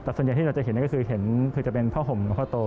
แต่ส่วนใหญ่ที่เราจะเห็นก็คือเห็นคือจะเป็นผ้าห่มหลวงพ่อโต